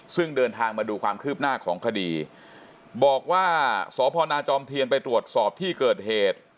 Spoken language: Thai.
ซึ่งเดินทางมาดูความคืบหน้าของคดีบอกว่าสพนาจอมเทียนไปตรวจสอบที่เกิดเหตุ